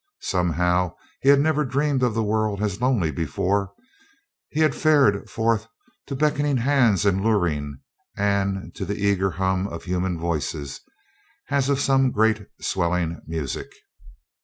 Somehow he had never dreamed of the world as lonely before; he had fared forth to beckoning hands and luring, and to the eager hum of human voices, as of some great, swelling music.